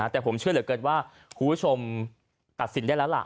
แต่ผมเชื่อเหลือเกินว่าคุณผู้ชมตัดสินได้แล้วล่ะ